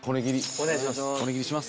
お願いします。